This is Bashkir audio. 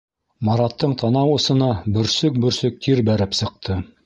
Мараттың танау осона бөрсөк-бөрсөк тир бәреп сыҡты.